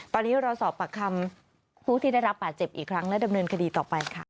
ตอนนี้รอสอบปากคำผู้ที่ได้รับบาดเจ็บอีกครั้งและดำเนินคดีต่อไปค่ะ